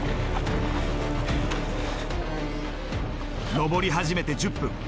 上り始めて１０分。